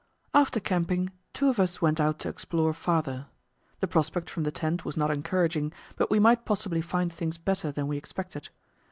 After camping, two of us went out to explore farther. The prospect from the tent was not encouraging, but we might possibly find things better than we expected.